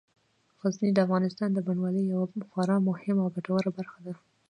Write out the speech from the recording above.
غزني د افغانستان د بڼوالۍ یوه خورا مهمه او ګټوره برخه ده.